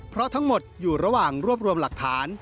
เพราะทั้งหมดอยู่ระหว่างรวบรวมหลักฐาน